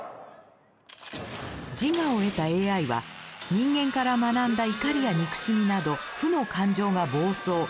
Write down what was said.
自我を得たＡＩは人間から学んだ怒りや憎しみなど負の感情が暴走。